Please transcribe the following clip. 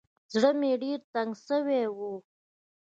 زړه مې ډېر تنګ سوى و.